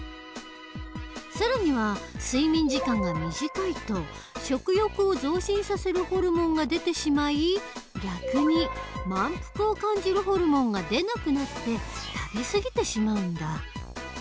更には睡眠時間が短いと食欲を増進させるホルモンが出てしまい逆に満腹を感じるホルモンが出なくなって食べすぎてしまうんだ。